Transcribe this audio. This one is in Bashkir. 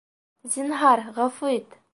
— Зинһар, ғәфү ит.